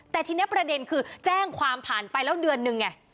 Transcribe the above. แต่ทีนี้ประเด็นคือแจ้งความผ่านไปแล้วเดือนนึงไง